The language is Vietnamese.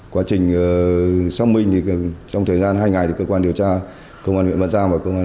quá trình xong mình trong thời gian hai ngày cơ quan điều tra công an huyện văn giang